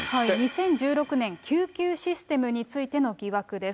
２０１６年、救急システムについての疑惑です。